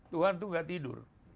tuhan tuh nggak tidur